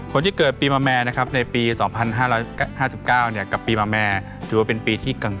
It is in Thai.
คนที่เกิดปีมาแม่นะครับในปี๒๕๕๙กับปีมาแม่ถือว่าเป็นปีที่กลาง